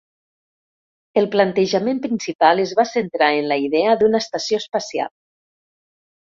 El planejament principal es va centrar en la idea d'una estació espacial.